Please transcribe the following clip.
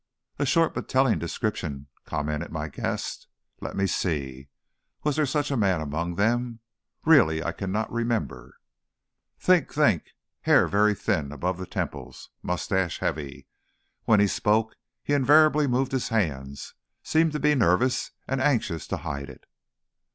"A short but telling description," commented my guest. "Let me see. Was there such a man among them? Really, I cannot remember." "Think, think. Hair very thin above the temples, mustache heavy. When he spoke he invariably moved his hands; seemed to be nervous, and anxious to hide it."